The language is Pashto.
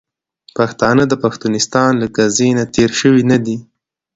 پښتانه د پښتونستان له قضیې نه تیر شوي نه دي .